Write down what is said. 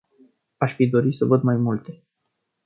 Aș fi dorit să văd mai multe.